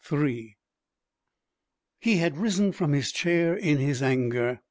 He had risen from his chair in his anger.